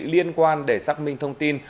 liên quan để xác minh thông tin